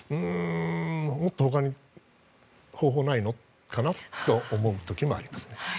もっと他に方法はないのかなと思う時もあります。